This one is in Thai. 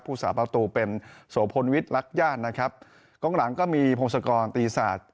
ผู้สาปรับตูเป็นโสพลวิทรักญาตินะครับกล้องหลังก็มีโพงศักรณ์ตีศาสตร์